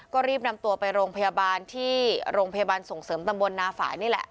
ก็รีบนำตัวไปโรงพยาบาลที่โรงพยาบาลส่งเสริมตำบลนาฝานี่แหละ